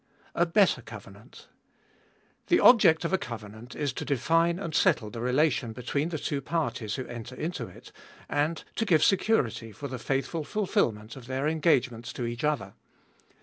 A better covenant. The object of a covenant is to define and settle the relation between the two parties who enter into it, and to give security for the faithful fulfilment of their engage ments to each other.